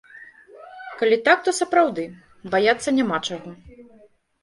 Калі так, то, сапраўды, баяцца няма чаго.